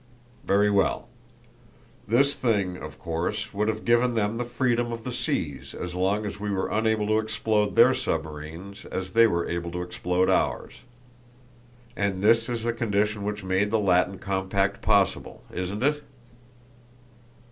Very well. This thing, of course, would have given them the freedom of the seas as long as we were unable to explode their submarines as they were able to explode ours. And this is the condition which made the Latin compact possible, isn't it?"